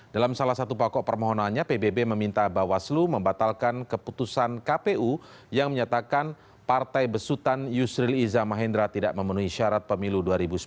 dalam salah satu pokok permohonannya pbb meminta bawaslu membatalkan keputusan kpu yang menyatakan partai besutan yusril iza mahendra tidak memenuhi syarat pemilu dua ribu sembilan belas